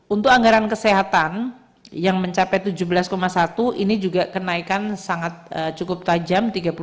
untuk anggaran kesehatan yang mencapai tujuh belas satu ini juga kenaikan cukup tajam